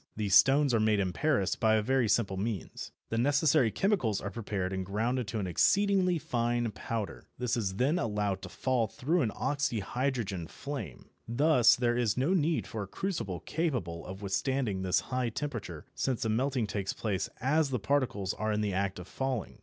These stones are made in Paris by a very simple means. The necessary chemicals are prepared and ground to an exceedingly fine powder. This is then allowed to fall through an oxyhydrogen flame. Thus there is no need for a crucible capable of withstanding this high temperature, since the melting takes place as the particles are in the act of falling.